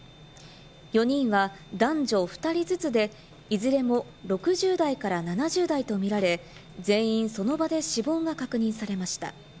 ４人は、男女２人ずつで、いずれも６０代から７０代とみられ、全員、その場で死亡が確認されました。